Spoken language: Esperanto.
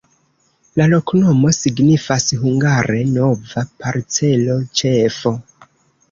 La loknomo signifas hungare: nova-parcelo-ĉefo.